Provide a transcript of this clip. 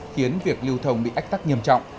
khiến việc lưu thông bị ách tắc nghiêm trọng